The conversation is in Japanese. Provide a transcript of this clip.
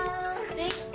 できた。